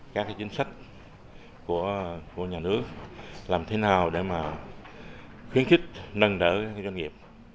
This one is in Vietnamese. các chính sách của nhà nước làm thế nào để mà khuyến khích nâng đỡ doanh nghiệp